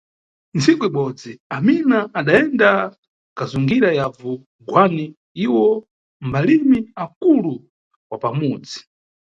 Ntsiku ibodzi Amina adayenda kazungira yavu Gwani, iwo mbalimi akulu wa pamudzi.